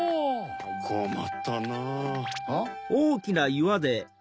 ・こまったなぁ・ん？